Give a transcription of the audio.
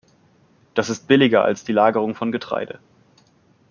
Das ist billiger als die Lagerung von Getreide.